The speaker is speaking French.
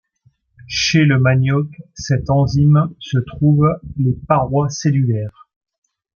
Chez le manioc; cet enzyme se trouve les parois cellulaires.